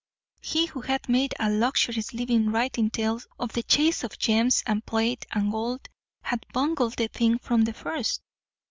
He who had made a luxurious living writing tales of the chase of gems and plate and gold had bungled the thing from the first.